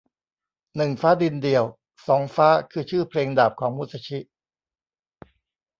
หนึ่งฟ้าดินเดียว สองฟ้าคือชื่อเพลงดาบของมุซาชิ